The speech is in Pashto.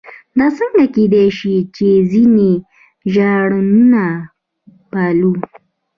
دا څنګه کېدای شي چې ځینې ژانرونه پالو.